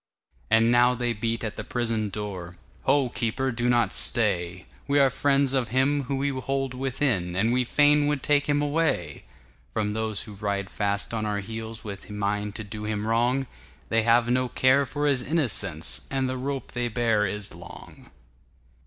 And now they beat at the prison door,"Ho, keeper, do not stay! We are friends of him whom you hold within, And we fain would take him away"From those who ride fast on our heelsWith mind to do him wrong; They have no care for his innocence, And the rope they bear is long."